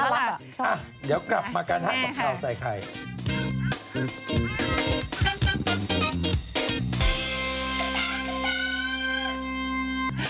อ้าเดี๋ยวกลับมากันฮะกับเกาะใส่ใคร